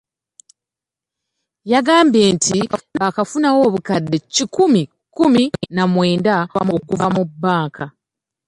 Yagambye nti baakafunawo obukadde kikumi kkumi na mwenda okuva mu banka.